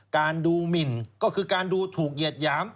การดูหมินก็คือการดูถูกเหยียดหยาม